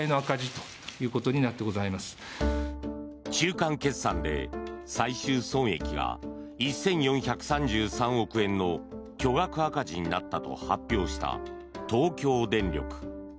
中間決算で最終損益が１４３３億円の巨額赤字になったと発表した東京電力。